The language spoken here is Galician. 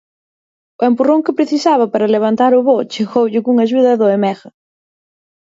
O empurrón que precisaba para levantar o voo chegoulle cunha axuda do Emega.